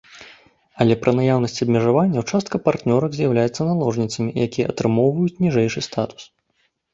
Але пры наяўнасці абмежаванняў частка партнёрак з'яўляецца наложніцамі, якія атрымоўваюць ніжэйшы статус.